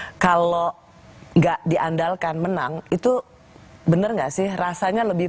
koreksi aku kalau salah kalau nggak diandalkan menang itu bener enggak sih rasanya lebih